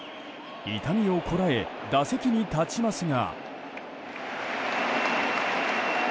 痛みをこらえ打席に立ちますが。